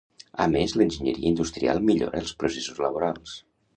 A més, l'enginyeria industrial millora els processos laborals.